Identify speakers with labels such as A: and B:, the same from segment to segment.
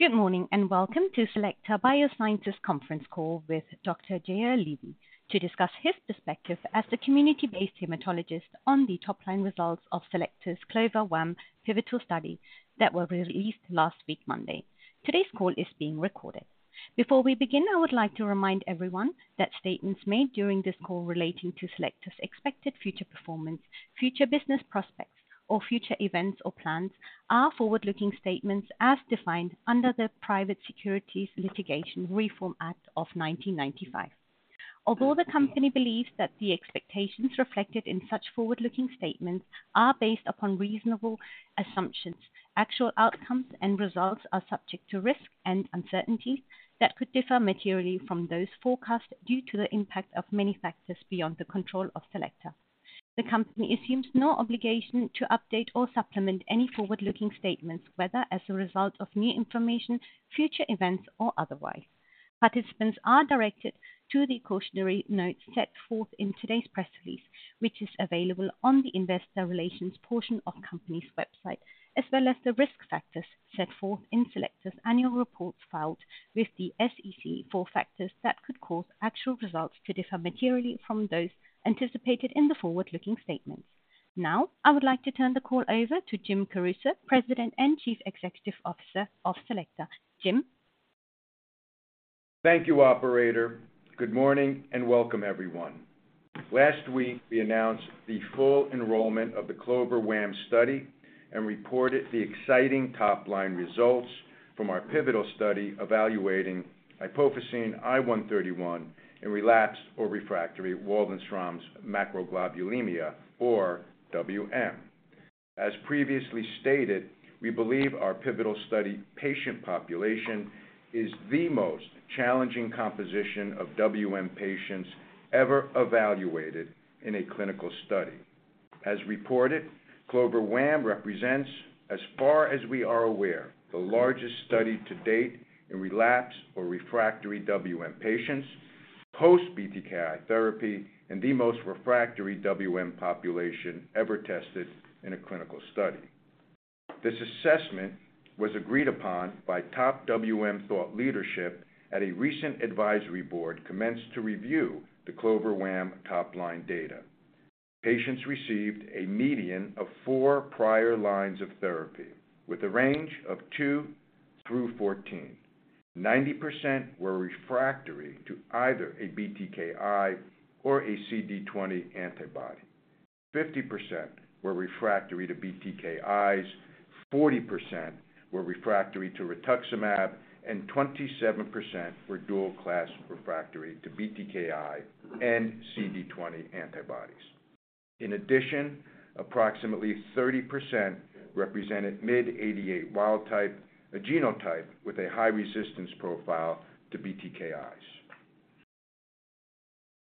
A: Good morning, and welcome to Cellectar Biosciences conference call with Dr. Yair Levy to discuss his perspective as the community-based hematologist on the top-line results of Cellectar's CLOVER-WaM pivotal study that were released last week, Monday. Today's call is being recorded. Before we begin, I would like to remind everyone that statements made during this call relating to Cellectar's expected future performance, future business prospects, or future events or plans are forward-looking statements as defined under the Private Securities Litigation Reform Act of 1995. Although the company believes that the expectations reflected in such forward-looking statements are based upon reasonable assumptions, actual outcomes and results are subject to risks and uncertainties that could differ materially from those forecasts due to the impact of many factors beyond the control of Cellectar.The company assumes no obligation to update or supplement any forward-looking statements, whether as a result of new information, future events, or otherwise. Participants are directed to the cautionary note set forth in today's press release, which is available on the Investor Relations portion of the company's website, as well as the risk factors set forth in Cellectar's annual reports filed with the SEC for factors that could cause actual results to differ materially from those anticipated in the forward-looking statements. Now, I would like to turn the call over to Jim Caruso, President and Chief Executive Officer of Cellectar. Jim?
B: Thank you, operator. Good morning, and welcome, everyone. Last week, we announced the full enrollment of the CLOVER-WaM study and reported the exciting top-line results from our pivotal study evaluating iopofosine I 131 in relapsed or refractory Waldenström's macroglobulinemia, or WM. As previously stated, we believe our pivotal study patient population is the most challenging composition of WM patients ever evaluated in a clinical study. As reported, CLOVER-WaM represents, as far as we are aware, the largest study to date in relapsed or refractory WM patients, post-BTKi therapy and the most refractory WM population ever tested in a clinical study. This assessment was agreed upon by top WM thought leadership at a recent advisory board commenced to review the CLOVER-WaM top-line data. Patients received a median of four prior lines of therapy, with a range of two through 14. 90% were refractory to either a BTKi or a CD20 antibody. 50% were refractory to BTKis, 40% were refractory to rituximab, and 27% were dual-class refractory to BTKi and CD20 antibodies. In addition, approximately 30% represented MYD88 wild type, a genotype with a high resistance profile to BTKis.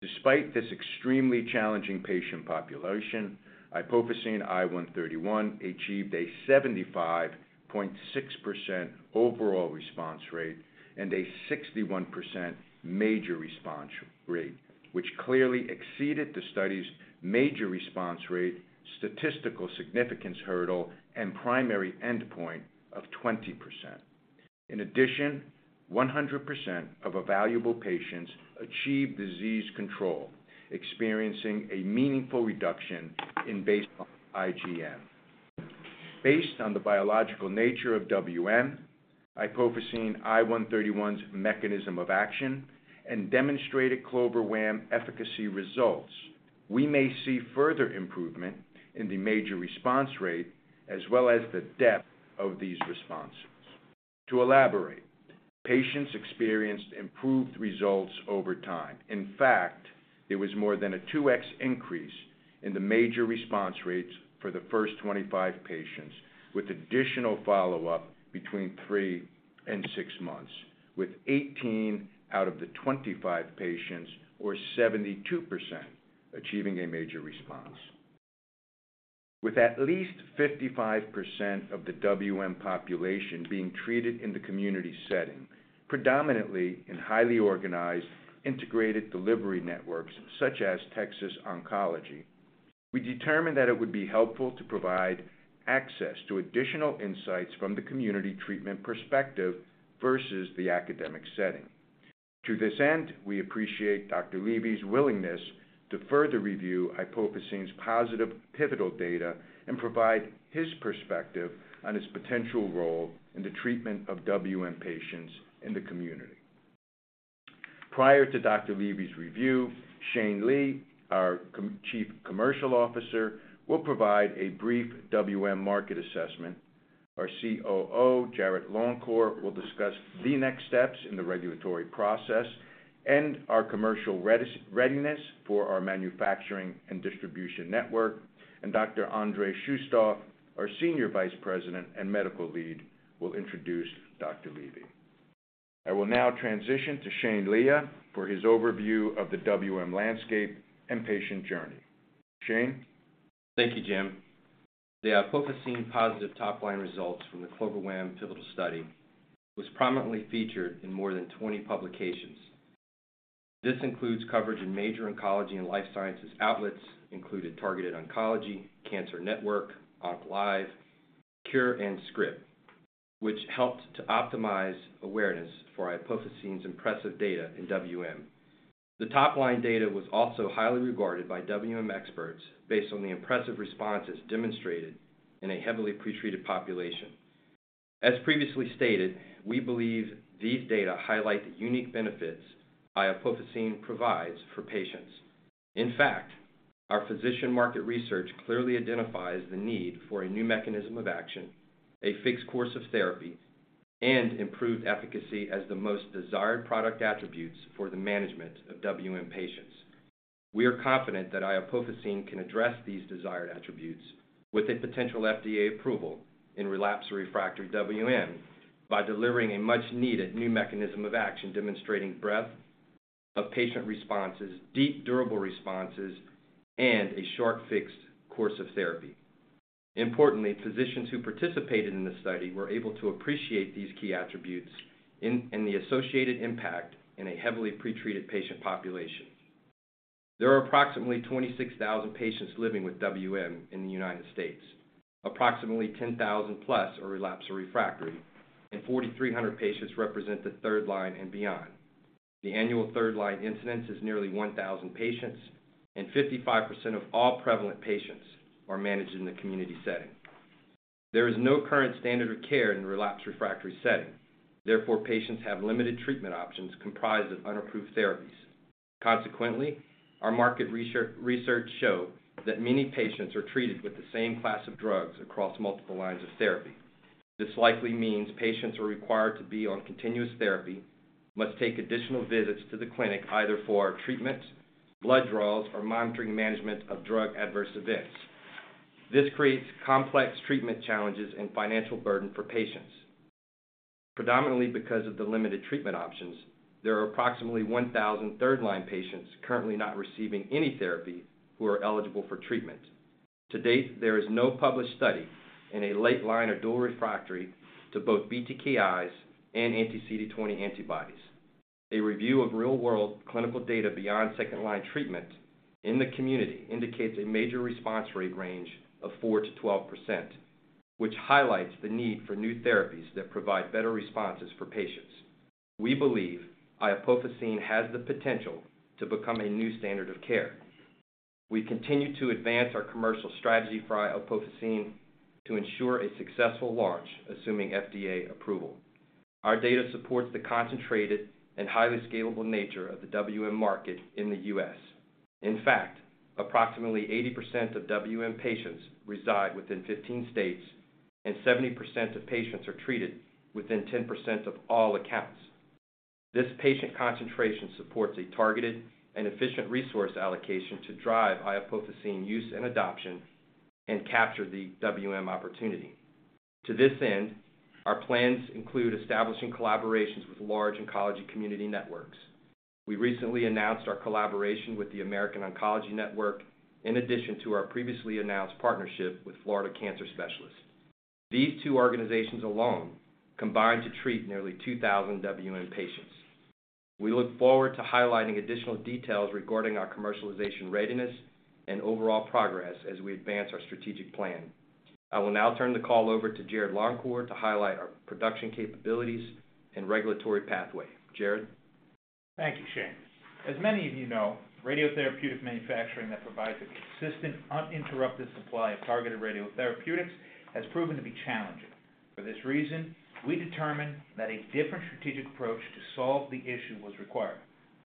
B: Despite this extremely challenging patient population, iopofosine I 131 achieved a 75.6% overall response rate and a 61% major response rate, which clearly exceeded the study's major response rate, statistical significance hurdle, and primary endpoint of 20%. In addition, 100% of evaluable patients achieved disease control, experiencing a meaningful reduction in baseline IgM. Based on the biological nature of WM, iopofosine I 131's mechanism of action and demonstrated CLOVER-WaM efficacy results, we may see further improvement in the major response rate as well as the depth of these responses. To elaborate, patients experienced improved results over time. In fact, there was more than a 2x increase in the major response rates for the first 25 patients, with additional follow-up between 3 and 6 months, with 18 out of the 25 patients, or 72%, achieving a major response. With at least 55% of the WM population being treated in the community setting, predominantly in highly organized, integrated delivery networks such as Texas Oncology, we determined that it would be helpful to provide access to additional insights from the community treatment perspective versus the academic setting. To this end, we appreciate Dr. Levy's willingness to further review iopofosine's positive pivotal data and provide his perspective on his potential role in the treatment of WM patients in the community. Prior to Dr. Levy's review, Shane Lea, our Chief Commercial Officer, will provide a brief WM market assessment. Our COO, Jarrod Longcor, will discuss the next steps in the regulatory process and our commercial readiness for our manufacturing and distribution network. Dr. Andrei Shustov, our Senior Vice President and Medical Lead, will introduce Dr. Levy. I will now transition to Shane Lea for his overview of the WM landscape and patient journey. Shane?
C: Thank you, Jim. The iopofosine positive top-line results from the CLOVER-WaM pivotal study was prominently featured in more than 20 publications.... This includes coverage in major oncology and life sciences outlets, including Targeted Oncology, Cancer Network, OncLive, Cure and Scrip, which helped to optimize awareness for iopofosine's impressive data in WM. The top line data was also highly regarded by WM experts based on the impressive responses demonstrated in a heavily pre-treated population. As previously stated, we believe these data highlight the unique benefits iopofosine provides for patients. In fact, our physician market research clearly identifies the need for a new mechanism of action, a fixed course of therapy, and improved efficacy as the most desired product attributes for the management of WM patients. We are confident that iopofosine can address these desired attributes with a potential FDA approval in relapsed or refractory WM by delivering a much-needed new mechanism of action, demonstrating breadth of patient responses, deep, durable responses, and a short, fixed course of therapy. Importantly, physicians who participated in this study were able to appreciate these key attributes and the associated impact in a heavily pre-treated patient population. There are approximately 26,000 patients living with WM in the United States. Approximately 10,000 plus are relapsed or refractory, and 4,300 patients represent the third line and beyond. The annual third-line incidence is nearly 1,000 patients, and 55% of all prevalent patients are managed in the community setting. There is no current standard of care in the relapsed refractory setting. Therefore, patients have limited treatment options comprised of unapproved therapies. Consequently, our market research shows that many patients are treated with the same class of drugs across multiple lines of therapy. This likely means patients are required to be on continuous therapy, must take additional visits to the clinic, either for treatment, blood draws, or monitoring management of drug adverse events. This creates complex treatment challenges and financial burden for patients. Predominantly because of the limited treatment options, there are approximately 1,000 third-line patients currently not receiving any therapy who are eligible for treatment. To date, there is no published study in a late line or dual refractory to both BTKIs and anti-CD20 antibodies. A review of real-world clinical data beyond second-line treatment in the community indicates a major response rate range of 4%-12%, which highlights the need for new therapies that provide better responses for patients. We believe iopofosine has the potential to become a new standard of care. We continue to advance our commercial strategy for iopofosine to ensure a successful launch, assuming FDA approval. Our data supports the concentrated and highly scalable nature of the WM market in the US In fact, approximately 80% of WM patients reside within 15 states, and 70% of patients are treated within 10% of all accounts. This patient concentration supports a targeted and efficient resource allocation to drive iopofosine use and adoption and capture the WM opportunity. To this end, our plans include establishing collaborations with large oncology community networks. We recently announced our collaboration with the American Oncology Network, in addition to our previously announced partnership with Florida Cancer Specialists. These two organizations alone combine to treat nearly 2,000 WM patients. We look forward to highlighting additional details regarding our commercialization readiness and overall progress as we advance our strategic plan. I will now turn the call over to Jarrod Longcor to highlight our production capabilities and regulatory pathway. Jarrod?
D: Thank you, Shane. As many of you know, radiotherapeutic manufacturing that provides a consistent, uninterrupted supply of targeted radiotherapeutics has proven to be challenging. For this reason, we determined that a different strategic approach to solve the issue was required.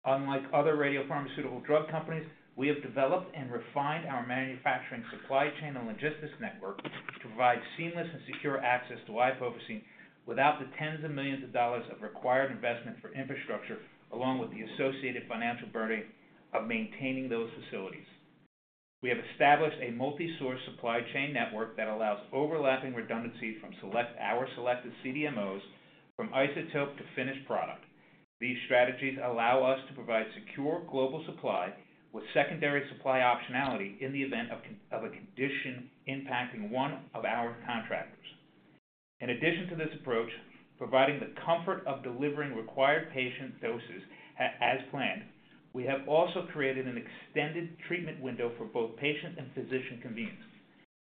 D: Unlike other radiopharmaceutical drug companies, we have developed and refined our manufacturing supply chain and logistics network to provide seamless and secure access to iopofosine without the $10s of millions of dollars of required investment for infrastructure, along with the associated financial burden of maintaining those facilities. We have established a multi-source supply chain network that allows overlapping redundancy from our selected CDMOs, from isotope to finished product. These strategies allow us to provide secure global supply with secondary supply optionality in the event of a condition impacting one of our contractors. In addition to this approach, providing the comfort of delivering required patient doses as planned, we have also created an extended treatment window for both patient and physician convenience.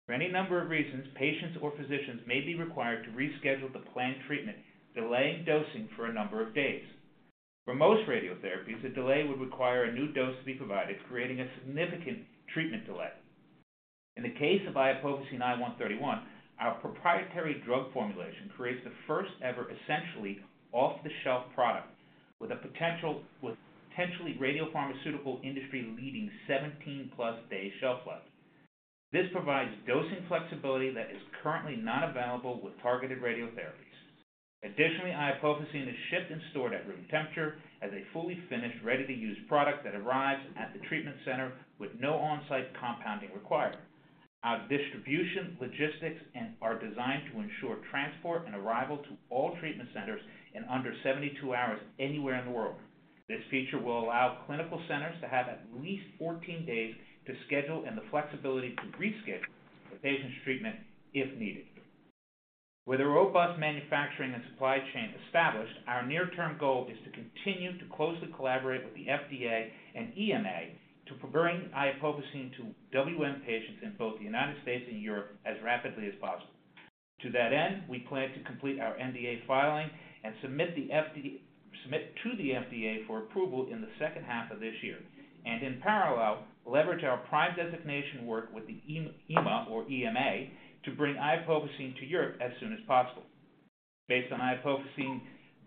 D: For any number of reasons, patients or physicians may be required to reschedule the planned treatment, delaying dosing for a number of days. For most radiotherapies, a delay would require a new dose to be provided, creating a significant treatment delay. In the case of iopofosine I 131, our proprietary drug formulation creates the first-ever, essentially off-the-shelf product with potentially radiopharmaceutical industry-leading 17+ day shelf life. This provides dosing flexibility that is currently not available with targeted radiotherapies. Additionally, iopofosine is shipped and stored at room temperature as a fully finished, ready-to-use product that arrives at the treatment center with no on-site compounding required. Our distribution logistics and are designed to ensure transport and arrival to all treatment centers in under 72 hours, anywhere in the world. This feature will allow clinical centers to have at least 14 days to schedule and the flexibility to reschedule the patient's treatment if needed. With a robust manufacturing and supply chain established, our near-term goal is to continue to closely collaborate with the FDA and EMA to bring iopofosine to WM patients in both the United States and Europe as rapidly as possible. To that end, we plan to complete our NDA filing and submit to the FDA for approval in the second half of this year, and in parallel, leverage our prime designation work with the EMA, or EMA, to bring iopofosine to Europe as soon as possible. Based on iopofosine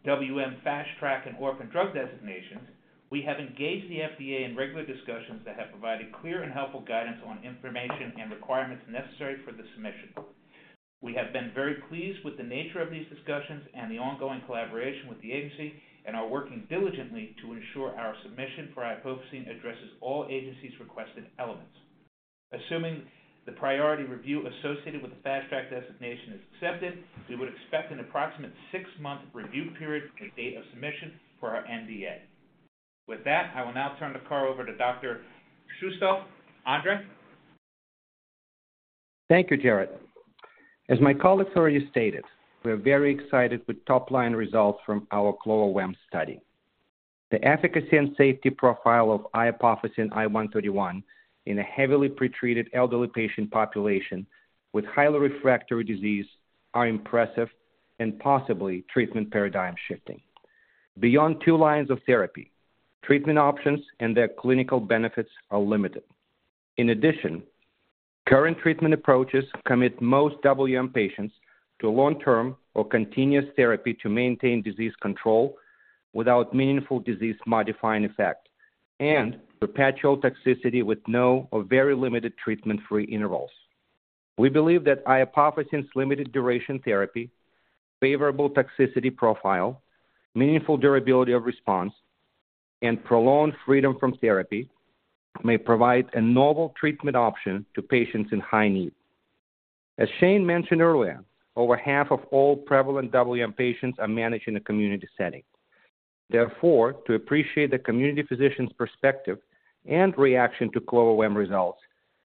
D: WM Fast Track and Orphan Drug designations, we have engaged the FDA in regular discussions that have provided clear and helpful guidance on information and requirements necessary for the submission. We have been very pleased with the nature of these discussions and the ongoing collaboration with the agency and are working diligently to ensure our submission for iopofosine addresses all agencies' requested elements. Assuming the priority review associated with the Fast Track designation is accepted, we would expect an approximate 6-month review period from the date of submission for our NDA. With that, I will now turn the call over to Dr. Shustov. Andrei?
E: Thank you, Jarrod. As my colleagues already stated, we're very excited with top-line results from our CLOVER-WaM study. The efficacy and safety profile of iopofosine I 131 in a heavily pretreated elderly patient population with highly refractory disease are impressive and possibly treatment paradigm shifting. Beyond 2 lines of therapy, treatment options and their clinical benefits are limited. In addition, current treatment approaches commit most WM patients to long-term or continuous therapy to maintain disease control without meaningful disease-modifying effect and perpetual toxicity with no or very limited treatment-free intervals. We believe that iopofosine's limited duration therapy, favorable toxicity profile, meaningful durability of response, and prolonged freedom from therapy may provide a novel treatment option to patients in high need. As Shane mentioned earlier, over half of all prevalent WM patients are managed in a community setting. Therefore, to appreciate the community physician's perspective and reaction to CLOVER-WaM results,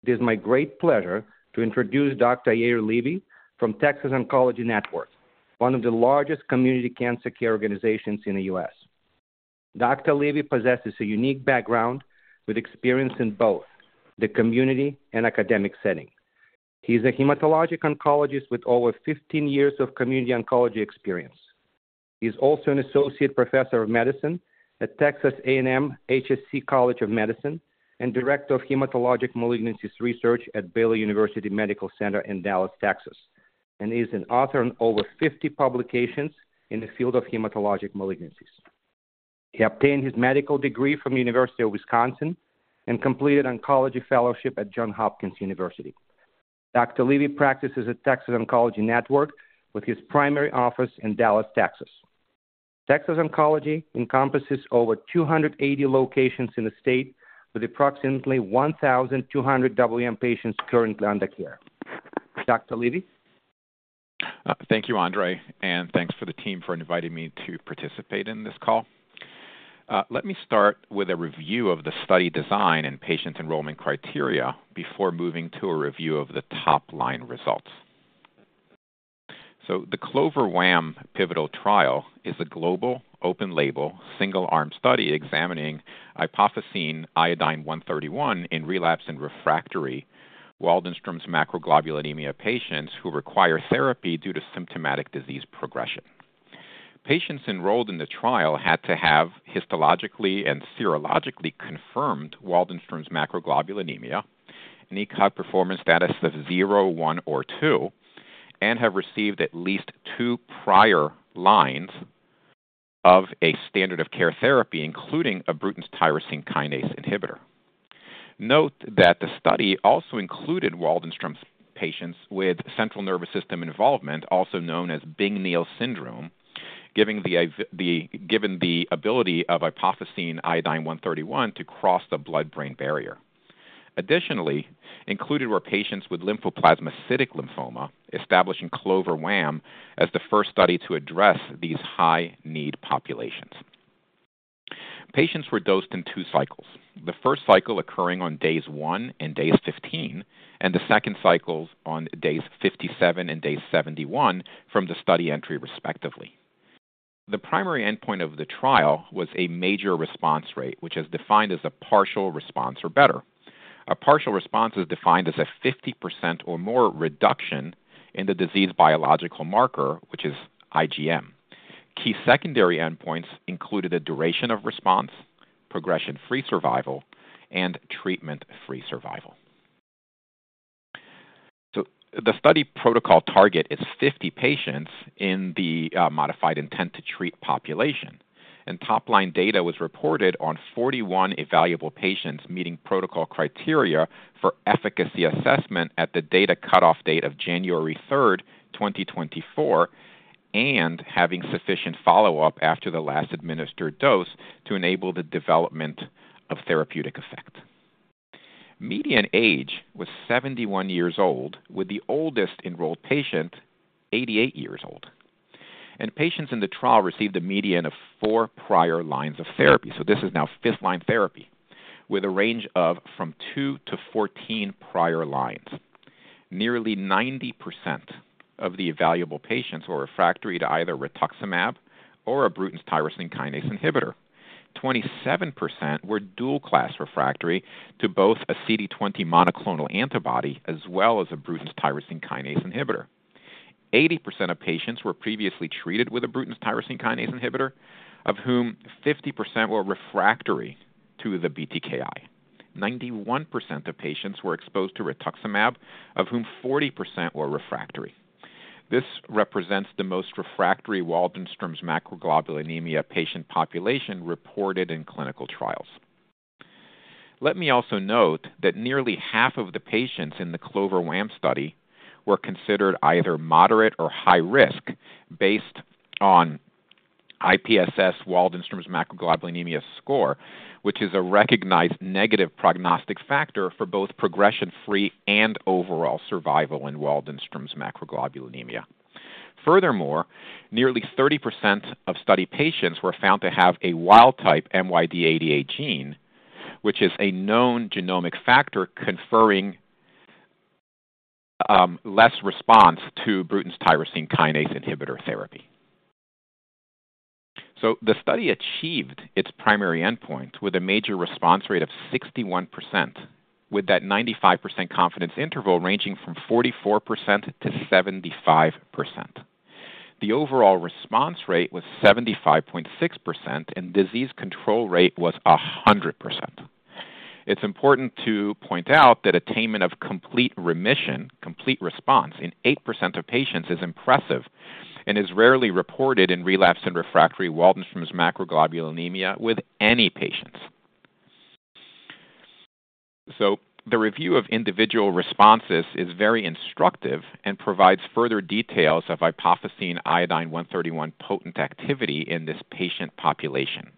E: it is my great pleasure to introduce Dr. Yair Levy from Texas Oncology, one of the largest community cancer care organizations in the US Dr. Levy possesses a unique background with experience in both the community and academic setting. He's a hematologic oncologist with over 15 years of community oncology experience. He's also an associate professor of medicine at Texas A&M HSC College of Medicine and Director of Hematologic Malignancies Research at Baylor University Medical Center in Dallas, Texas, and is an author on over 50 publications in the field of hematologic malignancies. He obtained his medical degree from the University of Wisconsin and completed oncology fellowship at Johns Hopkins University. Dr. Levy practices at Texas Oncology with his primary office in Dallas, Texas. Texas Oncology encompasses over 280 locations in the state, with approximately 1,200 WM patients currently under care. Dr. Levy?
F: Thank you, Andrei, and thanks to the team for inviting me to participate in this call. Let me start with a review of the study design and patient enrollment criteria before moving to a review of the top-line results. So the CLOVER-WaM pivotal trial is a global, open-label, single-arm study examining iopofosine I 131 in relapsed and refractory Waldenström's macroglobulinemia patients who require therapy due to symptomatic disease progression. Patients enrolled in the trial had to have histologically and serologically confirmed Waldenström's macroglobulinemia, an ECOG performance status of zero, one, or two, and have received at least two prior lines of a standard of care therapy, including a Bruton's tyrosine kinase inhibitor. Note that the study also included Waldenström's patients with central nervous system involvement, also known as Bing-Neel syndrome, given the ability of iopofosine I 131 to cross the blood-brain barrier. Additionally, included were patients with lymphoplasmacytic lymphoma, establishing CLOVER-WaM as the first study to address these high-need populations. Patients were dosed in two cycles, the first cycle occurring on day 1 and day 15, and the second cycles on day 57 and day 71 from the study entry, respectively. The primary endpoint of the trial was a major response rate, which is defined as a partial response or better. A partial response is defined as a 50% or more reduction in the disease biological marker, which is IgM. Key secondary endpoints included the duration of response, progression-free survival, and treatment-free survival. The study protocol target is 50 patients in the modified intent-to-treat population, and top-line data was reported on 41 evaluable patients meeting protocol criteria for efficacy assessment at the data cutoff date of January 3, 2024, and having sufficient follow-up after the last administered dose to enable the development of therapeutic effect. Median age was 71 years old, with the oldest enrolled patient 88 years old, and patients in the trial received a median of 4 prior lines of therapy. This is now 5th-line therapy, with a range of from 2-14 prior lines. Nearly 90% of the evaluable patients were refractory to either rituximab or a Bruton's tyrosine kinase inhibitor. 27% were dual-class refractory to both a CD20 monoclonal antibody as well as a Bruton's tyrosine kinase inhibitor. 80% of patients were previously treated with a Bruton's tyrosine kinase inhibitor, of whom 50% were refractory to the BTKi. 91% of patients were exposed to rituximab, of whom 40% were refractory. This represents the most refractory Waldenström's macroglobulinemia patient population reported in clinical trials. Let me also note that nearly half of the patients in the CLOVER-WaM study were considered either moderate or high risk based on IPSS-WM Waldenström's macroglobulinemia score, which is a recognized negative prognostic factor for both progression-free and overall survival in Waldenström's macroglobulinemia. Furthermore, nearly 30% of study patients were found to have a wild-type MYD88 gene, which is a known genomic factor conferring less response to Bruton's tyrosine kinase inhibitor therapy. So the study achieved its primary endpoint with a major response rate of 61%, with that 95% confidence interval ranging from 44% to 75%. The overall response rate was 75.6%, and disease control rate was 100%. It's important to point out that attainment of complete remission, complete response in 8% of patients is impressive and is rarely reported in relapsed and refractory Waldenström's macroglobulinemia with any patients. So the review of individual responses is very instructive and provides further details of iopofosine I 131 potent activity in this patient population.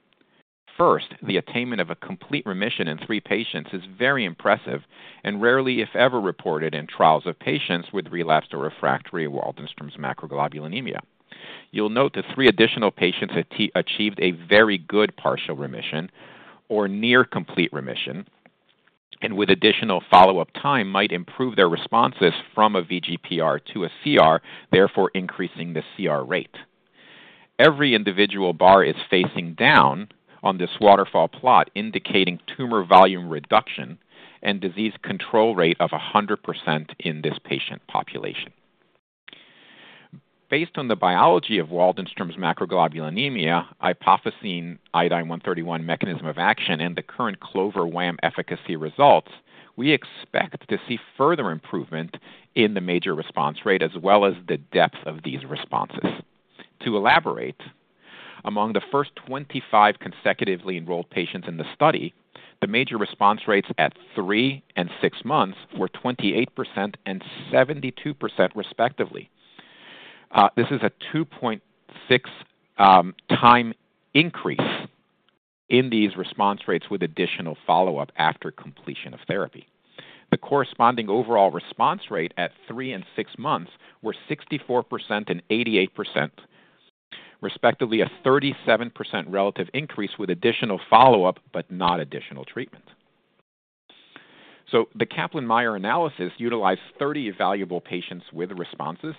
F: First, the attainment of a complete remission in 3 patients is very impressive and rarely, if ever, reported in trials of patients with relapsed or refractory Waldenström's macroglobulinemia. You'll note that three additional patients achieved a very good partial remission or near complete remission, and with additional follow-up time, might improve their responses from a VGPR to a CR, therefore increasing the CR rate. Every individual bar is facing down on this waterfall plot, indicating tumor volume reduction and disease control rate of 100% in this patient population. Based on the biology of Waldenström's macroglobulinemia, iopofosine I 131 mechanism of action, and the current CLOVER-WaM efficacy results, we expect to see further improvement in the major response rate, as well as the depth of these responses. To elaborate, among the first 25 consecutively enrolled patients in the study, the major response rates at three and six months were 28% and 72%, respectively. This is a 2.6 time increase in these response rates with additional follow-up after completion of therapy. The corresponding overall response rate at 3 and 6 months were 64% and 88%, respectively, a 37% relative increase with additional follow-up, but not additional treatment. So the Kaplan-Meier analysis utilized 30 evaluable patients with responses,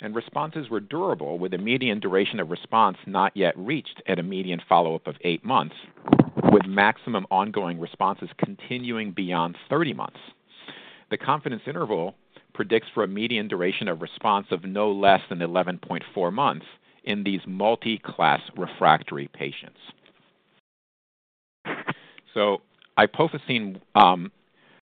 F: and responses were durable, with a median duration of response not yet reached at a median follow-up of 8 months, with maximum ongoing responses continuing beyond 30 months. The confidence interval predicts for a median duration of response of no less than 11.4 months in these multiclass refractory patients. So iopofosine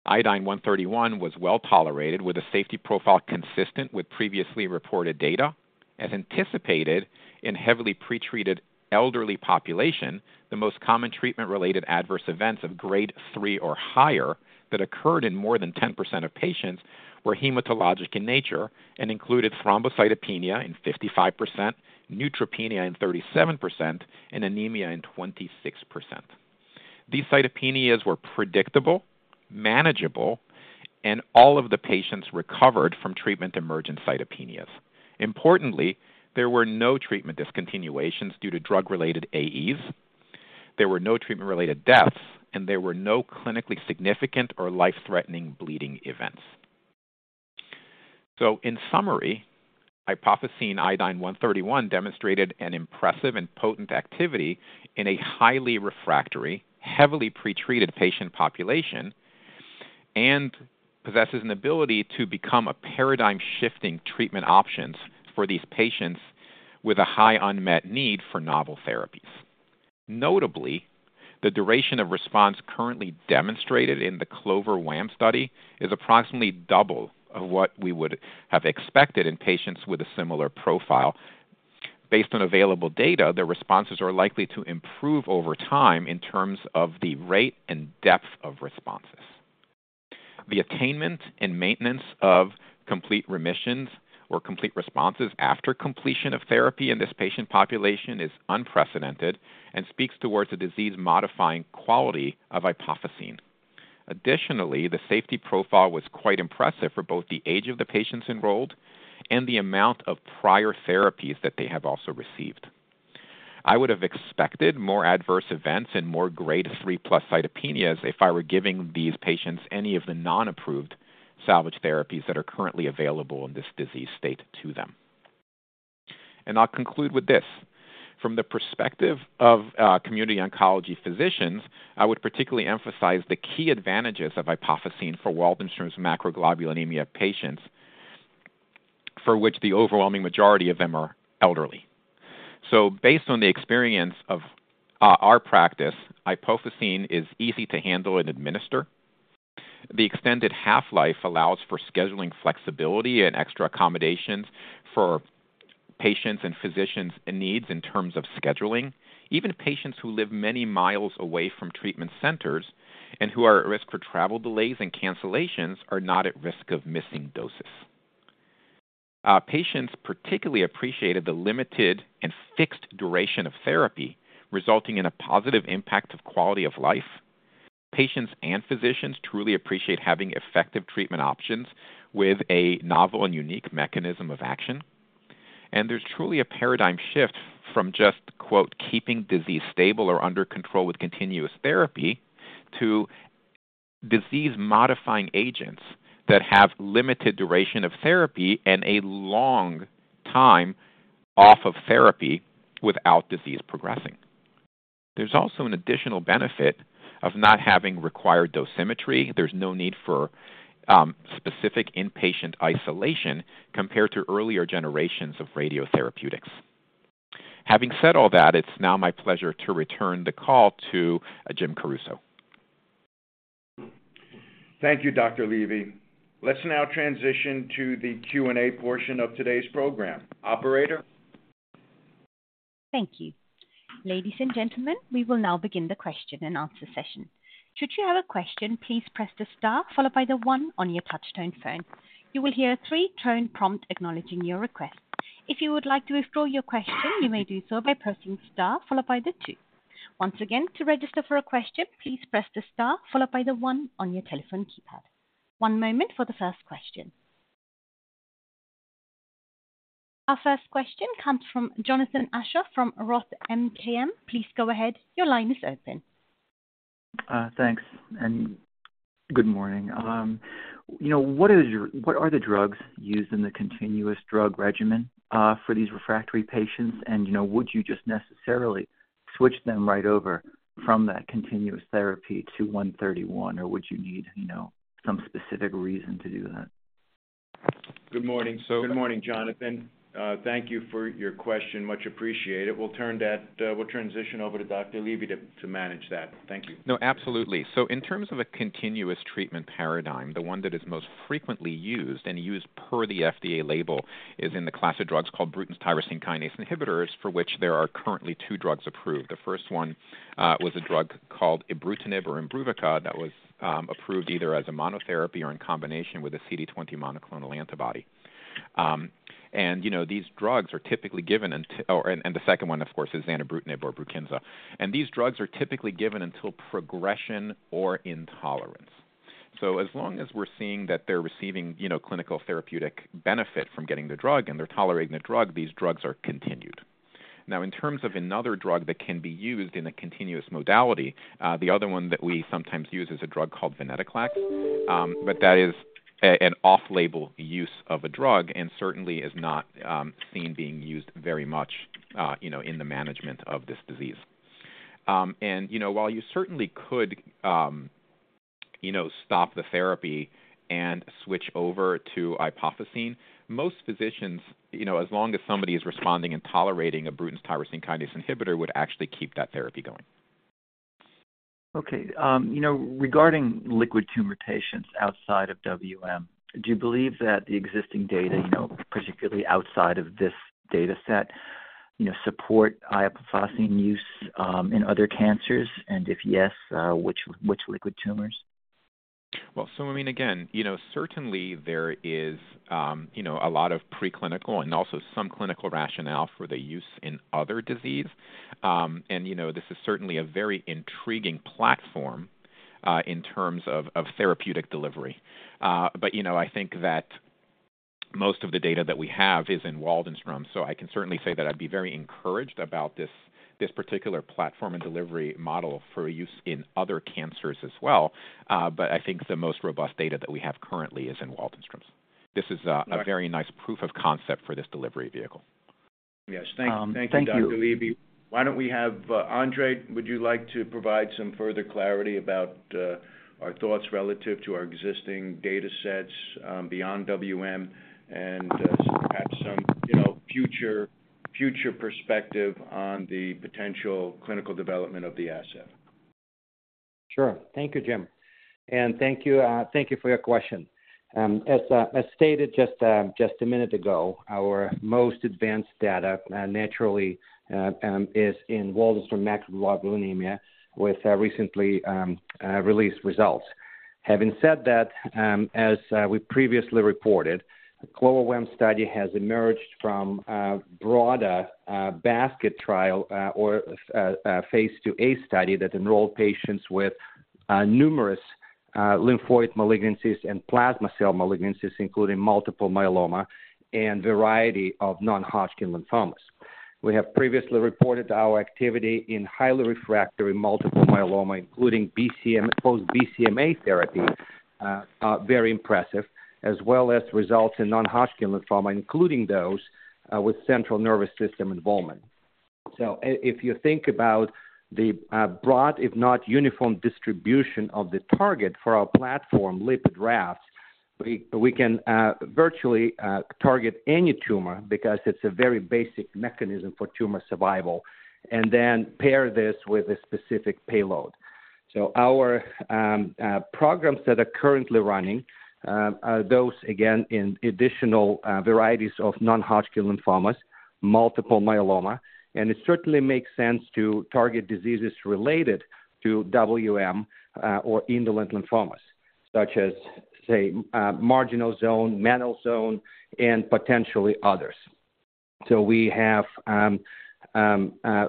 F: I 131 was well tolerated, with a safety profile consistent with previously reported data. As anticipated, in heavily pretreated elderly population, the most common treatment-related adverse events of grade 3 or higher that occurred in more than 10% of patients were hematologic in nature and included thrombocytopenia in 55%, neutropenia in 37%, and anemia in 26%. These cytopenias were predictable, manageable, and all of the patients recovered from treatment-emergent cytopenias. Importantly, there were no treatment discontinuations due to drug-related AEs. There were no treatment-related deaths, and there were no clinically significant or life-threatening bleeding events. So in summary, iopofosine I 131 demonstrated an impressive and potent activity in a highly refractory, heavily pretreated patient population and possesses an ability to become a paradigm-shifting treatment options for these patients with a high unmet need for novel therapies. Notably, the duration of response currently demonstrated in the CLOVER-WaM study is approximately double of what we would have expected in patients with a similar profile. Based on available data, the responses are likely to improve over time in terms of the rate and depth of responses. The attainment and maintenance of complete remissions or complete responses after completion of therapy in this patient population is unprecedented and speaks towards the disease-modifying quality of iopofosine... Additionally, the safety profile was quite impressive for both the age of the patients enrolled and the amount of prior therapies that they have also received. I would have expected more adverse events and more grade three plus cytopenias if I were giving these patients any of the non-approved salvage therapies that are currently available in this disease state to them. I'll conclude with this. From the perspective of community oncology physicians, I would particularly emphasize the key advantages of iopofosine for Waldenström's macroglobulinemia patients, for which the overwhelming majority of them are elderly. Based on the experience of our practice, iopofosine is easy to handle and administer. The extended half-life allows for scheduling flexibility and extra accommodations for patients and physicians and needs in terms of scheduling. Even patients who live many miles away from treatment centers and who are at risk for travel delays and cancellations are not at risk of missing doses. Patients particularly appreciated the limited and fixed duration of therapy, resulting in a positive impact of quality of life. Patients and physicians truly appreciate having effective treatment options with a novel and unique mechanism of action. There's truly a paradigm shift from just, "keeping disease stable or under control with continuous therapy" to disease-modifying agents that have limited duration of therapy and a long time off of therapy without disease progressing. There's also an additional benefit of not having required dosimetry. There's no need for specific inpatient isolation compared to earlier generations of radiotherapeutics. Having said all that, it's now my pleasure to return the call to Jim Caruso.
B: Thank you, Dr. Levy. Let's now transition to the Q&A portion of today's program. Operator?
A: Thank you. Ladies and gentlemen, we will now begin the question and answer session. Should you have a question, please press the star followed by the one on your touchtone phone. You will hear a three-tone prompt acknowledging your request. If you would like to withdraw your question, you may do so by pressing star followed by the two. Once again, to register for a question, please press the star followed by the one on your telephone keypad. One moment for the first question. Our first question comes from Jonathan Aschoff from Roth MKM. Please go ahead. Your line is open.
G: Thanks, and good morning. You know, what is your... What are the drugs used in the continuous drug regimen for these refractory patients? You know, would you just necessarily switch them right over from that continuous therapy to 131, or would you need, you know, some specific reason to do that?
B: Good morning. Good morning, Jonathan. Thank you for your question. Much appreciated. We'll transition over to Dr. Levy to manage that. Thank you.
F: No, absolutely. So in terms of a continuous treatment paradigm, the one that is most frequently used and used per the FDA label, is in the class of drugs called Bruton's tyrosine kinase inhibitors, for which there are currently two drugs approved. The first one was a drug called ibrutinib, or IMBRUVICA, that was approved either as a monotherapy or in combination with a CD20 monoclonal antibody. And, you know, these drugs are typically given until. And the second one, of course, is zanubrutinib or BRUKINSA, and these drugs are typically given until progression or intolerance. So as long as we're seeing that they're receiving, you know, clinical therapeutic benefit from getting the drug and they're tolerating the drug, these drugs are continued. Now, in terms of another drug that can be used in a continuous modality, the other one that we sometimes use is a drug called venetoclax, but that is an off-label use of a drug and certainly is not seen being used very much, you know, in the management of this disease. And, you know, while you certainly could, you know, stop the therapy and switch over to iopofosine, most physicians, you know, as long as somebody is responding and tolerating a Bruton's tyrosine kinase inhibitor, would actually keep that therapy going.
G: Okay, you know, regarding liquid tumor patients outside of WM, do you believe that the existing data, you know, particularly outside of this data set, you know, support iopofosine use in other cancers? And if yes, which liquid tumors?
F: Well, so I mean, again, you know, certainly there is, you know, a lot of preclinical and also some clinical rationale for the use in other disease. And, you know, this is certainly a very intriguing platform, in terms of, of therapeutic delivery. But, you know, I think that most of the data that we have is in Waldenström's. So I can certainly say that I'd be very encouraged about this, this particular platform and delivery model for use in other cancers as well. But I think the most robust data that we have currently is in Waldenström's. This is a, a very nice proof of concept for this delivery vehicle.
B: Yes.
G: Thank you.
B: Thank you, Dr. Levy. Why don't we have Andrei, would you like to provide some further clarity about our thoughts relative to our existing data sets beyond WM and perhaps some, you know, future, future perspective on the potential clinical development of the asset?
E: Sure. Thank you, Jim, and thank you for your question. As stated just a minute ago, our most advanced data naturally is in Waldenström's macroglobulinemia with recently released results. Having said that, as we previously reported, CLOVER-WaM study has emerged from a broader basket trial or a phase IIa study that enrolled patients with numerous... lymphoid malignancies and plasma cell malignancies, including multiple myeloma and variety of non-Hodgkin lymphomas. We have previously reported our activity in highly refractory multiple myeloma, including BCL and post-BCMA therapy, are very impressive, as well as results in non-Hodgkin lymphoma, including those with central nervous system involvement. So if you think about the broad, if not uniform, distribution of the target for our platform, lipid rafts, we can virtually target any tumor because it's a very basic mechanism for tumor survival, and then pair this with a specific payload. So our programs that are currently running are those again in additional varieties of non-Hodgkin lymphomas, multiple myeloma, and it certainly makes sense to target diseases related to WM or indolent lymphomas, such as, say, marginal zone, mantle cell, and potentially others. We have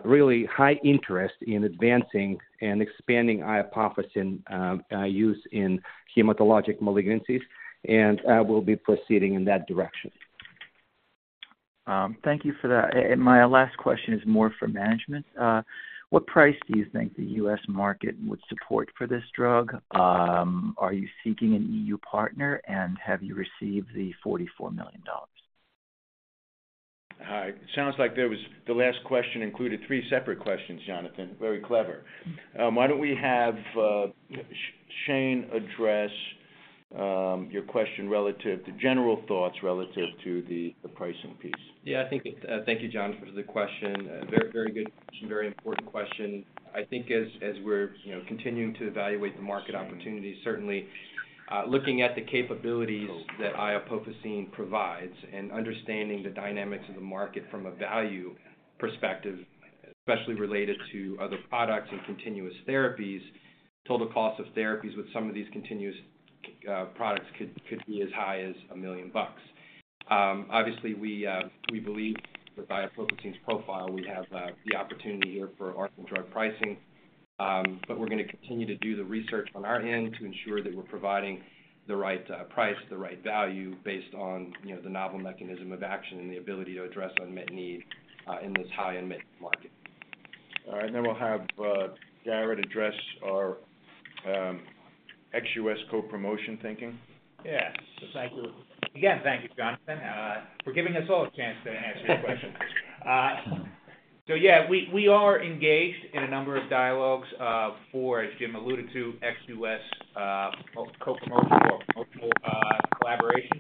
E: really high interest in advancing and expanding iopofosine I 131 use in hematologic malignancies, and we'll be proceeding in that direction.
G: Thank you for that. My last question is more for management. What price do you think the US market would support for this drug? Are you seeking an E.U. partner, and have you received the $44 million?
B: It sounds like there was... the last question included three separate questions, Jonathan. Very clever. Why don't we have, Shane address, your question relative to general thoughts relative to the pricing piece?
C: Yeah, I think... Thank you, Jonathan, for the question. A very, very good question. Very important question. I think as, as we're, you know, continuing to evaluate the market opportunity, certainly, looking at the capabilities that iopofosine provides and understanding the dynamics of the market from a value perspective, especially related to other products and continuous therapies, total cost of therapies with some of these continuous products could, could be as high as $1 million. Obviously, we, we believe that with iopofosine's profile, we have the opportunity here for orphan drug pricing. But we're going to continue to do the research on our end to ensure that we're providing the right price, the right value, based on, you know, the novel mechanism of action and the ability to address unmet need in this high-unmet market.
B: All right, then we'll have Jarrod address our ex US co-promotion thinking.
D: Yes, thank you. Again, thank you, Jonathan, for giving us all a chance to answer your question. So yeah, we are engaged in a number of dialogues for, as Jim alluded to, ex-US co-promotion or promotion collaboration.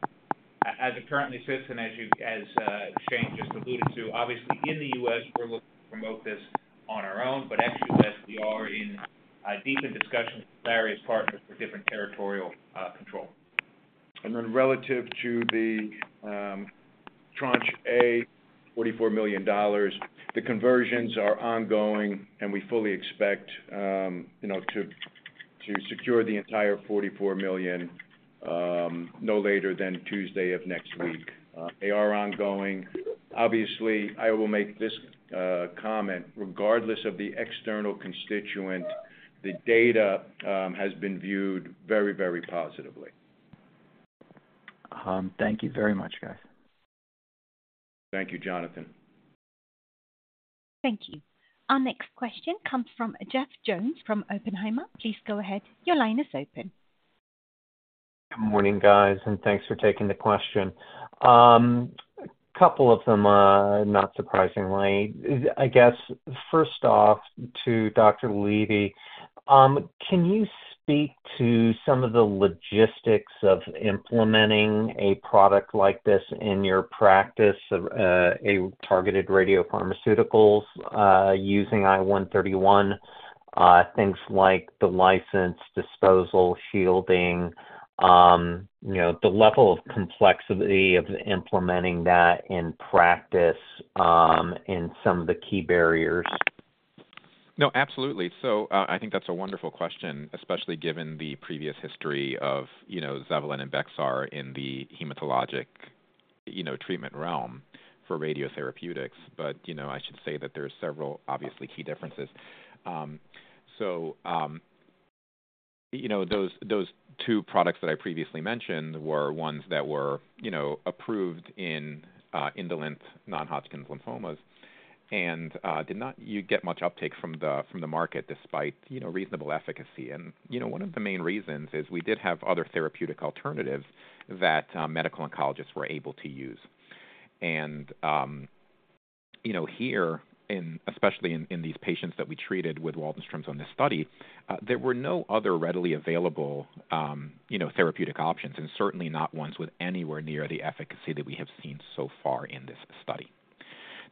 D: As it currently sits and as you, as Shane just alluded to, obviously in the US, we're looking to promote this on our own, but ex-US, we are in deep discussions with various partners for different territorial control.
B: And then relative to the Tranche A $44 million, the conversions are ongoing, and we fully expect, you know, to secure the entire $44 million, no later than Tuesday of next week. They are ongoing. Obviously, I will make this comment regardless of the external constituent, the data has been viewed very, very positively.
G: Thank you very much, guys.
B: Thank you, Jonathan.
A: Thank you. Our next question comes from Jeff Jones from Oppenheimer. Please go ahead. Your line is open.
H: Good morning, guys, and thanks for taking the question. A couple of them, not surprisingly. I guess, first off, to Dr. Levy, can you speak to some of the logistics of implementing a product like this in your practice of a targeted radiopharmaceuticals using I-131? Things like the license, disposal, shielding, you know, the level of complexity of implementing that in practice, and some of the key barriers.
F: No, absolutely. So I think that's a wonderful question, especially given the previous history of, you know, Zevalin and Bexxar in the hematologic, you know, treatment realm for radiotherapeutics. But, you know, I should say that there are several, obviously, key differences. So, you know, those two products that I previously mentioned were ones that were, you know, approved in indolent non-Hodgkin lymphomas and did not get much uptake from the market, despite, you know, reasonable efficacy. And, you know, one of the main reasons is we did have other therapeutic alternatives that medical oncologists were able to use. And, you know, here in, especially in, in these patients that we treated with Waldenström's on this study, there were no other readily available, you know, therapeutic options, and certainly not ones with anywhere near the efficacy that we have seen so far in this study.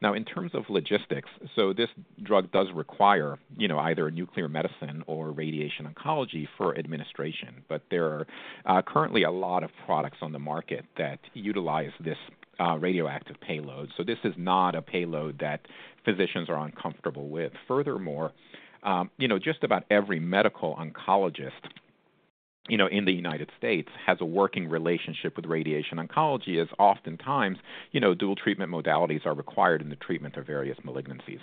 F: Now, in terms of logistics, so this drug does require, you know, either nuclear medicine or radiation oncology for administration, but there are, currently a lot of products on the market that utilize this, radioactive payload. So this is not a payload that physicians are uncomfortable with. Furthermore, you know, just about every medical oncologist, you know, in the United States has a working relationship with radiation oncology, as oftentimes, you know, dual treatment modalities are required in the treatment of various malignancies.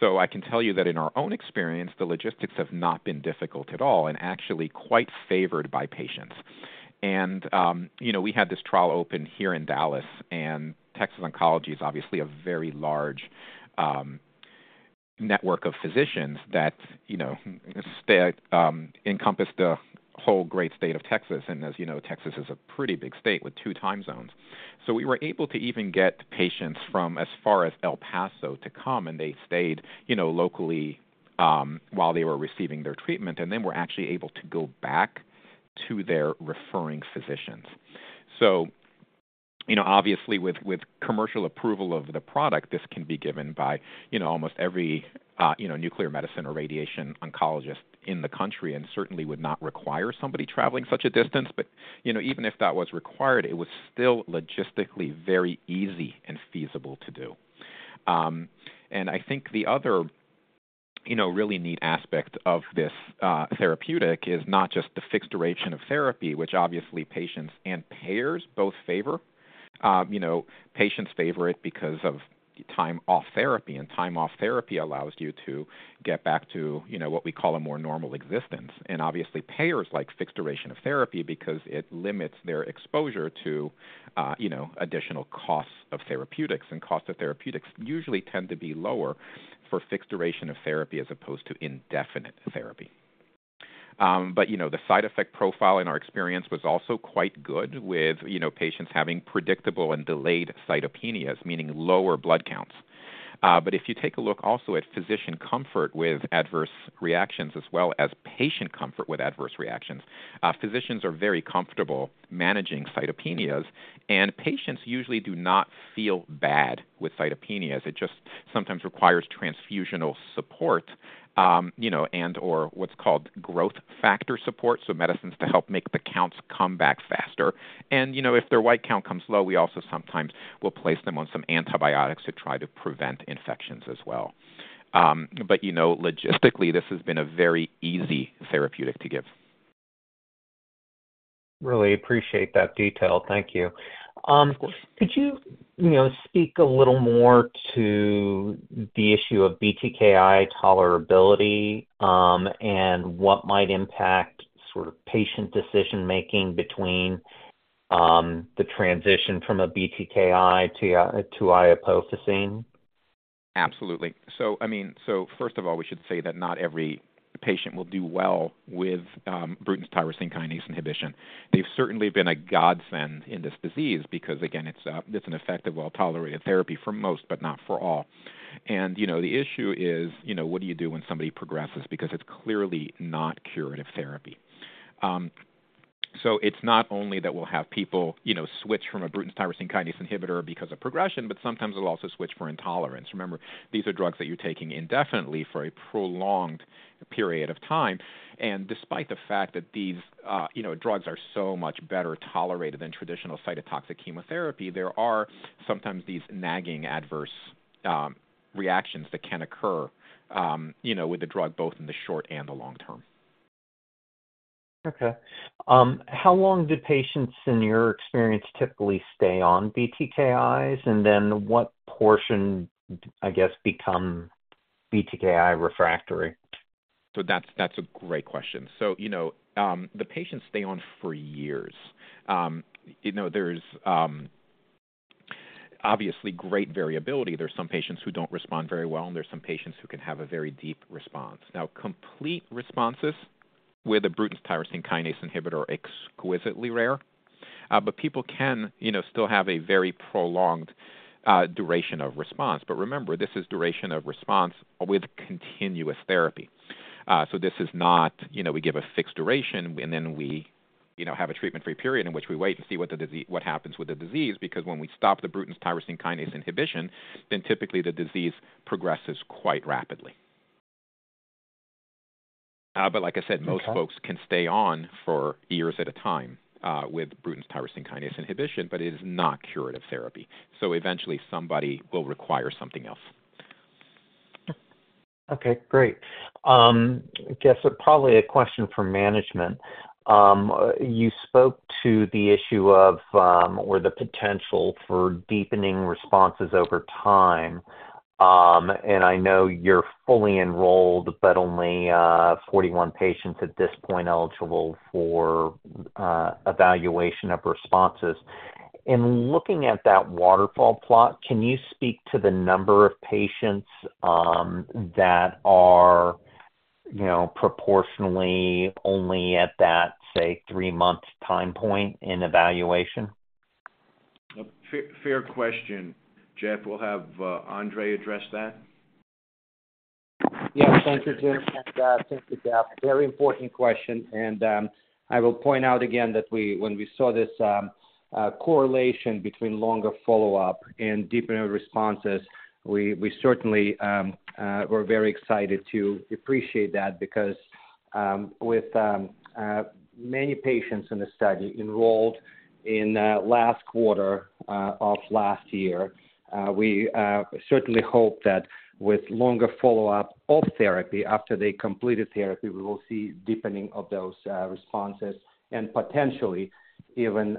F: So I can tell you that in our own experience, the logistics have not been difficult at all and actually quite favored by patients. And, you know, we had this trial open here in Dallas, and Texas Oncology is obviously a very large network of physicians that, you know, that encompass the whole great state of Texas. And as you know, Texas is a pretty big state with two time zones. So we were able to even get patients from as far as El Paso to come, and they stayed, you know, locally while they were receiving their treatment, and then were actually able to go back to their referring physicians. So, you know, obviously with commercial approval of the product, this can be given by, you know, almost every, you know, nuclear medicine or radiation oncologist in the country and certainly would not require somebody traveling such a distance. But, you know, even if that was required, it was still logistically very easy and feasible to do. And I think the other, you know, really neat aspect of this therapeutic is not just the fixed duration of therapy, which obviously patients and payers both favor. You know, patients favor it because of time off therapy, and time off therapy allows you to get back to, you know, what we call a more normal existence. Obviously payers like fixed duration of therapy because it limits their exposure to, you know, additional costs of therapeutics, and costs of therapeutics usually tend to be lower for fixed duration of therapy as opposed to indefinite therapy. But, you know, the side effect profile in our experience was also quite good with, you know, patients having predictable and delayed cytopenias, meaning lower blood counts. But if you take a look also at physician comfort with adverse reactions as well as patient comfort with adverse reactions, physicians are very comfortable managing cytopenias, and patients usually do not feel bad with cytopenias. It just sometimes requires transfusional support, you know, and/or what's called growth factor support, so medicines to help make the counts come back faster. You know, if their white count comes low, we also sometimes will place them on some antibiotics to try to prevent infections as well. But, you know, logistically, this has been a very easy therapeutic to give.
H: Really appreciate that detail. Thank you. Could you, you know, speak a little more to the issue of BTKi tolerability, and what might impact sort of patient decision-making between the transition from a BTKi to a, to iopofosine?
F: Absolutely. So, I mean, so first of all, we should say that not every patient will do well with Bruton's tyrosine kinase inhibition. They've certainly been a godsend in this disease because, again, it's an effective, well-tolerated therapy for most, but not for all. And, you know, the issue is, you know, what do you do when somebody progresses? Because it's clearly not curative therapy. So it's not only that we'll have people, you know, switch from a Bruton's tyrosine kinase inhibitor because of progression, but sometimes they'll also switch for intolerance. Remember, these are drugs that you're taking indefinitely for a prolonged period of time. Despite the fact that these, you know, drugs are so much better tolerated than traditional cytotoxic chemotherapy, there are sometimes these nagging adverse reactions that can occur, you know, with the drug, both in the short and the long term.
H: Okay. How long do patients, in your experience, typically stay on BTKIs? And then what portion, I guess, become BTKI refractory?
F: So that's a great question. So, you know, the patients stay on for years. You know, there's obviously great variability. There's some patients who don't respond very well, and there's some patients who can have a very deep response. Now, complete responses with a Bruton's tyrosine kinase inhibitor are exquisitely rare, but people can, you know, still have a very prolonged duration of response. But remember, this is duration of response with continuous therapy. So this is not, you know, we give a fixed duration, and then we, you know, have a treatment-free period in which we wait and see what happens with the disease, because when we stop the Bruton's tyrosine kinase inhibition, then typically the disease progresses quite rapidly. But like I said-
H: Okay.
F: Most folks can stay on for years at a time, with Bruton's tyrosine kinase inhibition, but it is not curative therapy. So eventually somebody will require something else.
H: Okay, great. I guess probably a question for management. You spoke to the issue of, or the potential for deepening responses over time. And I know you're fully enrolled, but only 41 patients at this point eligible for evaluation of responses. In looking at that waterfall plot, can you speak to the number of patients that are, you know, proportionally only at that, say, 3-month time point in evaluation?
B: Fair, fair question, Jeff. We'll have Andrei address that.
E: Yeah, thank you, Jeff, and thank you, Jeff. Very important question, and I will point out again that we, when we saw this, correlation between longer follow-up and deepening of responses, we certainly were very excited to appreciate that because with many patients in the study enrolled in last quarter of last year, we certainly hope that with longer follow-up of therapy, after they completed therapy, we will see deepening of those responses and potentially even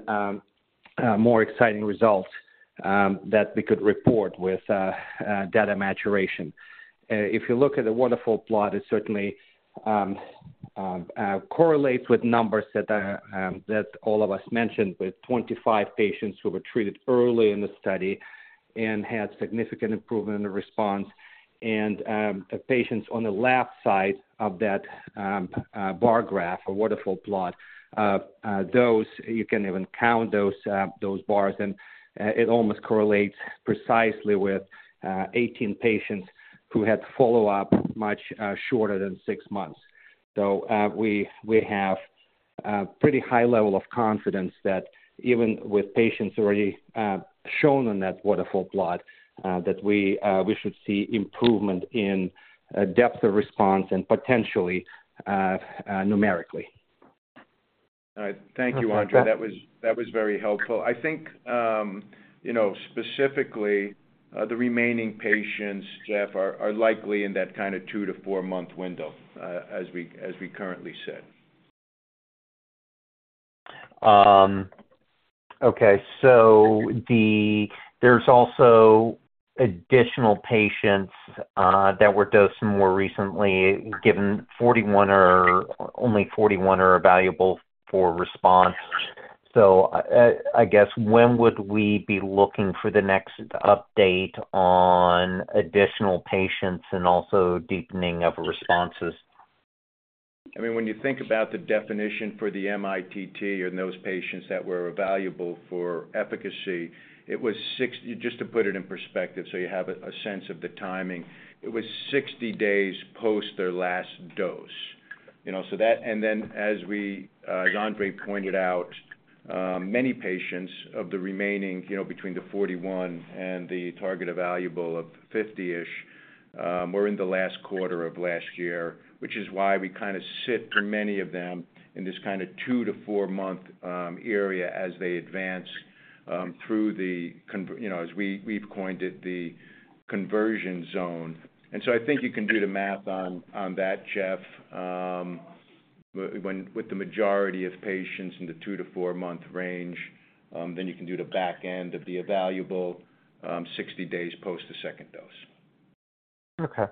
E: more exciting results that we could report with data maturation. If you look at the waterfall plot, it certainly correlates with numbers that all of us mentioned, with 25 patients who were treated early in the study and had significant improvement in the response. The patients on the left side of that bar graph or waterfall plot, those you can even count those bars, and it almost correlates precisely with 18 patients who had follow-up much shorter than six months. So, we have a pretty high level of confidence that even with patients already shown on that waterfall plot, that we should see improvement in depth of response and potentially numerically.
H: All right.
B: Thank you, Andrei. That was, that was very helpful. I think, you know, specifically, the remaining patients, Jeff, are, are likely in that kind of 2-4-month window, as we, as we currently said.
H: Okay, so there's also additional patients that were dosed more recently, given 41 are... only 41 are evaluable for response. So I guess, when would we be looking for the next update on additional patients and also deepening of responses?
B: I mean, when you think about the definition for the MITT in those patients that were evaluable for efficacy, it was 6. Just to put it in perspective so you have a sense of the timing, it was 60 days post their last dose, you know, so that. And then as we, as Andrei pointed out, many patients of the remaining, you know, between the 41 and the target evaluable of 50-ish, were in the last quarter of last year, which is why we kind of sit for many of them in this kind of 2-4-month area as they advance through the, you know, as we've coined it, the conversion zone. And so I think you can do the math on that, Jeff. When, with the majority of patients in the 2-4 month range, then you can do the back end of the evaluable 60 days post the second dose.
H: Okay.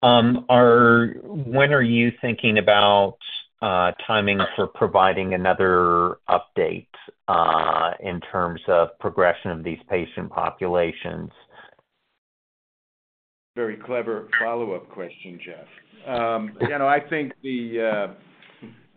H: When are you thinking about timing for providing another update in terms of progression of these patient populations?
B: Very clever follow-up question, Jeff. You know, I think the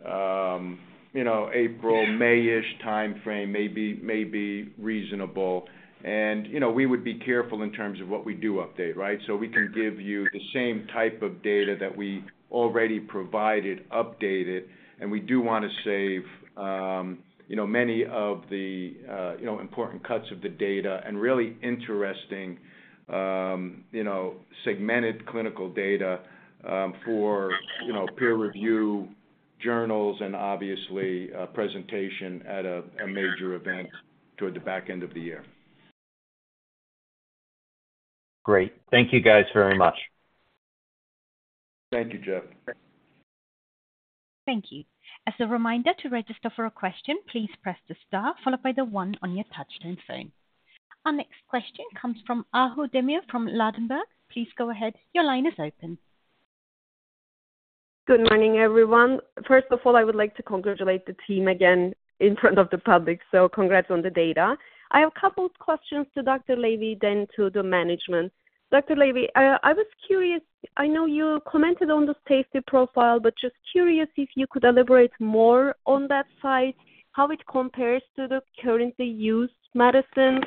B: April, May-ish timeframe may be, may be reasonable. And, you know, we would be careful in terms of what we do update, right? So we can give you the same type of data that we already provided, updated, and we do want to save, you know, many of the important cuts of the data and really interesting, you know, segmented clinical data, for, you know, peer review journals and obviously a presentation at a major event toward the back end of the year.
H: Great. Thank you, guys, very much.
B: Thank you, Jeff.
A: Thank you. As a reminder to register for a question, please press the star followed by the one on your touchtone phone. Our next question comes from Ahu Demir from Ladenburg. Please go ahead. Your line is open.
I: Good morning, everyone. First of all, I would like to congratulate the team again in front of the public, so congrats on the data. I have a couple of questions to Dr. Levy, then to the management. Dr. Levy, I was curious. I know you commented on the safety profile, but just curious if you could elaborate more on that side, how it compares to the currently used medicines.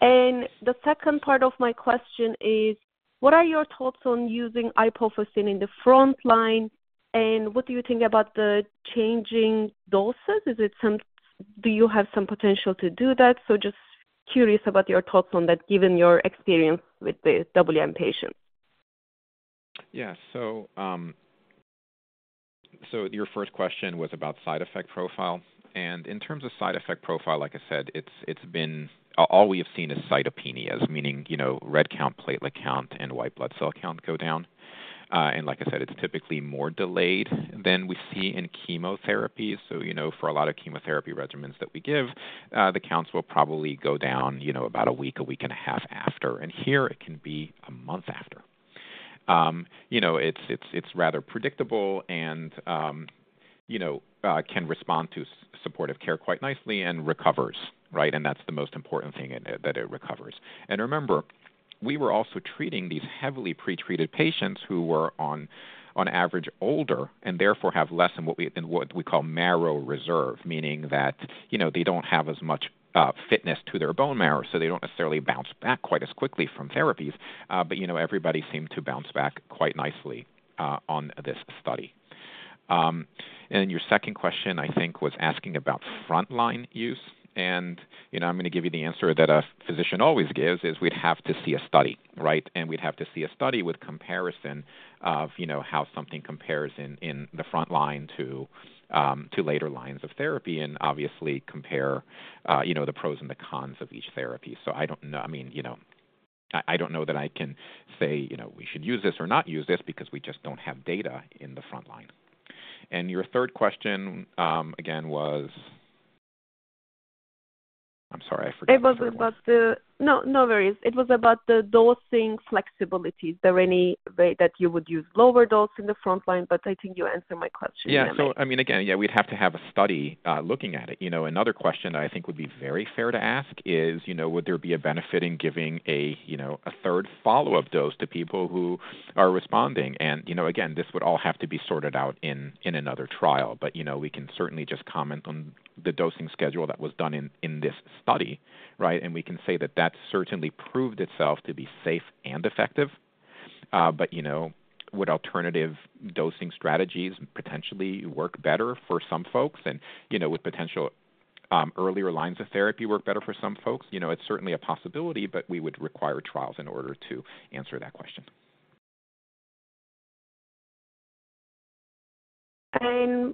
I: And the second part of my question is: what are your thoughts on using iopofosine in the front line, and what do you think about the changing doses? Do you have some potential to do that? So just curious about your thoughts on that, given your experience with the WM patients.
F: Yeah. So, so your first question was about side effect profile, and in terms of side effect profile, like I said, it's, it's been... All, all we have seen is cytopenias, meaning, you know, red count, platelet count, and white blood cell count go down. And like I said, it's typically more delayed than we see in chemotherapy. So, you know, for a lot of chemotherapy regimens that we give, the counts will probably go down, you know, about a week, a week and a half after, and here it can be a month after. You know, it's, it's, it's rather predictable and, you know, can respond to supportive care quite nicely and recovers, right? And that's the most important thing, that it recovers. And remember, we were also treating these heavily pretreated patients who were on average older and therefore have less than what we in what we call marrow reserve, meaning that, you know, they don't have as much fitness to their bone marrow, so they don't necessarily bounce back quite as quickly from therapies. But, you know, everybody seemed to bounce back quite nicely on this study. And your second question, I think, was asking about frontline use, and, you know, I'm going to give you the answer that a physician always gives, is we'd have to see a study, right? And we'd have to see a study with comparison of, you know, how something compares in the front line to later lines of therapy and obviously compare, you know, the pros and the cons of each therapy. So I don't know. I mean, you know, I, I don't know that I can say, you know, we should use this or not use this because we just don't have data in the front line. And your third question, again, was? I'm sorry, I forgot.
I: It was about the. No, no worries. It was about the dosing flexibility. Is there any way that you would use lower dose in the frontline? But I think you answered my question.
F: Yeah. So, I mean, again, yeah, we'd have to have a study looking at it. You know, another question I think would be very fair to ask is, you know, would there be a benefit in giving a, you know, a third follow-up dose to people who are responding? And, you know, again, this would all have to be sorted out in another trial. But, you know, we can certainly just comment on the dosing schedule that was done in this study, right? And we can say that that certainly proved itself to be safe and effective. But, you know, would alternative dosing strategies potentially work better for some folks? And, you know, would potential earlier lines of therapy work better for some folks? You know, it's certainly a possibility, but we would require trials in order to answer that question.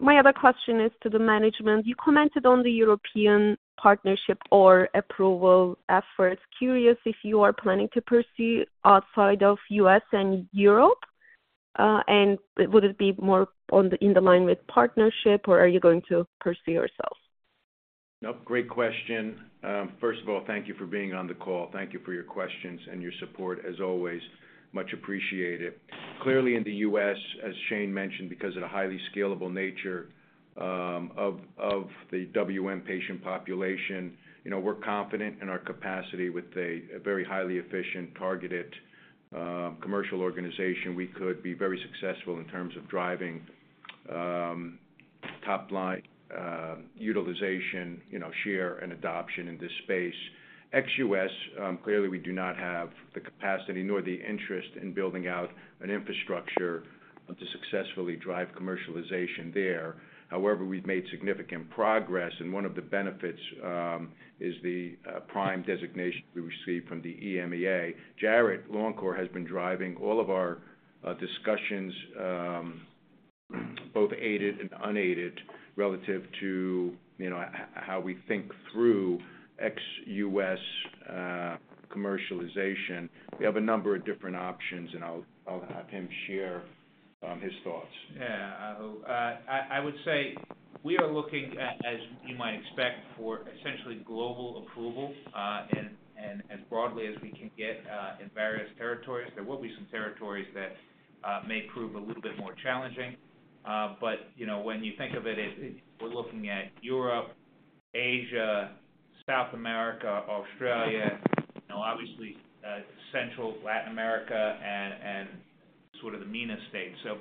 I: My other question is to the management. You commented on the European partnership or approval efforts. Curious if you are planning to pursue outside of US and Europe, and would it be more in line with partnership, or are you going to pursue yourselves?
B: Nope, great question. First of all, thank you for being on the call. Thank you for your questions and your support as always, much appreciated. Clearly, in the US, as Shane mentioned, because of the highly scalable nature of the WM patient population, you know, we're confident in our capacity with a very highly efficient, targeted commercial organization, we could be very successful in terms of driving top line utilization, you know, share and adoption in this space. Ex-US, clearly we do not have the capacity nor the interest in building out an infrastructure to successfully drive commercialization there. However, we've made significant progress, and one of the benefits is the PRIME designation we received from the EMA. Jarrod Longcor has been driving all of our discussions, both aided and unaided, relative to, you know, how we think through ex-US commercialization. We have a number of different options, and I'll have him share his thoughts.
D: Yeah, I hope. I would say we are looking at, as you might expect, for essentially global approval, and as broadly as we can get in various territories. There will be some territories that may prove a little bit more challenging. But, you know, when you think of it, it... we're looking at Europe, Asia, South America, Australia, you know, obviously, Central Latin America and sort of the MENA states. So,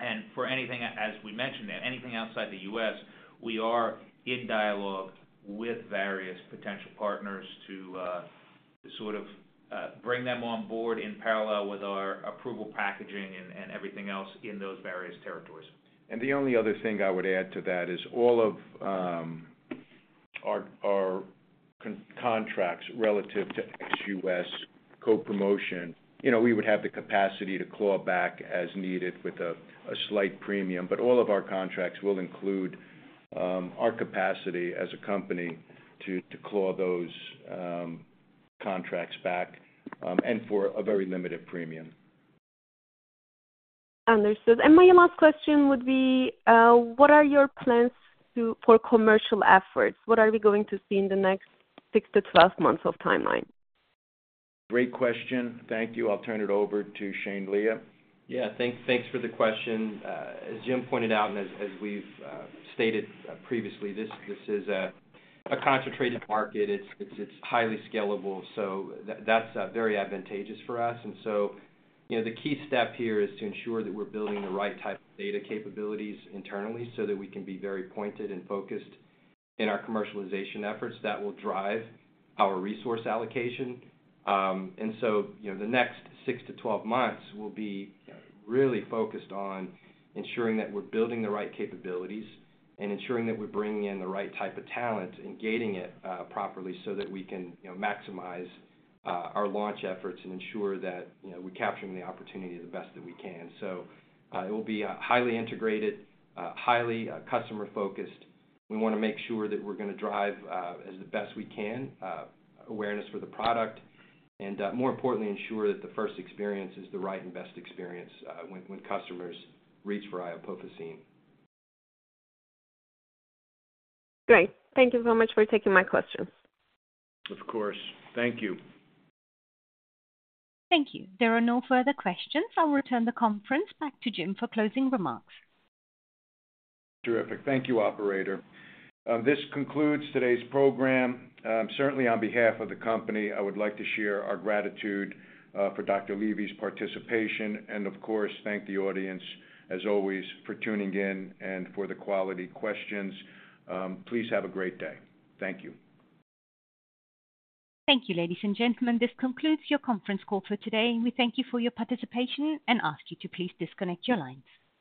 D: and for anything, as we mentioned, anything outside the US, we are in dialogue with various potential partners to sort of bring them on board in parallel with our approval, packaging, and everything else in those various territories.
B: And the only other thing I would add to that is all of our contracts relative to ex-US co-promotion, you know, we would have the capacity to claw back as needed with a slight premium. But all of our contracts will include our capacity as a company to claw those contracts back, and for a very limited premium.
I: Understood. And my last question would be, what are your plans to, for commercial efforts? What are we going to see in the next 6-12 months of timeline?
B: Great question. Thank you. I'll turn it over to Shane Lea.
C: Yeah, thanks for the question. As Jim pointed out, and as we've stated previously, this is a concentrated market. It's highly scalable, so that's very advantageous for us. And so, you know, the key step here is to ensure that we're building the right type of data capabilities internally so that we can be very pointed and focused in our commercialization efforts. That will drive our resource allocation. And so, you know, the next 6-12 months will be really focused on ensuring that we're building the right capabilities and ensuring that we're bringing in the right type of talent and gating it properly so that we can, you know, maximize our launch efforts and ensure that, you know, we're capturing the opportunity the best that we can. So, it will be highly integrated, highly customer focused. We want to make sure that we're going to drive, as the best we can, awareness for the product, and, more importantly, ensure that the first experience is the right and best experience, when customers reach for iopofosine.
I: Great. Thank you so much for taking my questions.
B: Of course. Thank you.
A: Thank you. There are no further questions. I'll return the conference back to Jim for closing remarks.
B: Terrific. Thank you, operator. This concludes today's program. Certainly, on behalf of the company, I would like to share our gratitude for Dr. Levy's participation and, of course, thank the audience, as always, for tuning in and for the quality questions. Please have a great day. Thank you.
F: Thank you, ladies and gentlemen. This concludes your conference call for today. We thank you for your participation and ask you to please disconnect your lines.